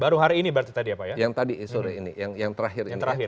baru hari ini berarti tadi ya pak ya